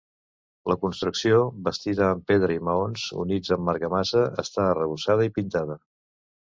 La construcció, bastida amb pedra i maons units amb argamassa, està arrebossada i pintada.